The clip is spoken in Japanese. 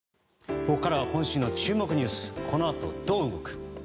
ここからは今週の注目ニュースこの後どう動く？